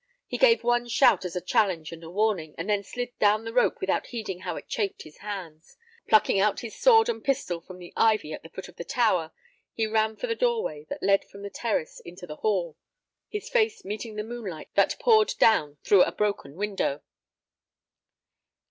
He gave one shout as a challenge and a warning, and then slid down the rope without heeding how it chafed his hands. Plucking out his sword and pistol from the ivy at the foot of the tower, he ran for the doorway that led from the terrace into the hall, his face meeting the moonlight that poured down through a broken window.